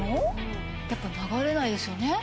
やっぱり流れないですよね。